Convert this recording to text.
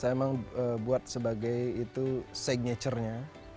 saya memang buat sebagai itu signature nya